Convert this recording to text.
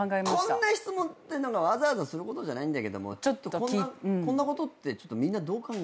こんな質問ってわざわざすることじゃないけどこんなことってみんなどう考えてんのかな？